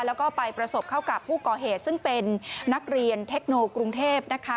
แล้วก็ไปประสบเข้ากับผู้ก่อเหตุซึ่งเป็นนักเรียนเทคโนกรุงเทพนะคะ